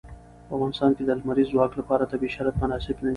په افغانستان کې د لمریز ځواک لپاره طبیعي شرایط مناسب دي.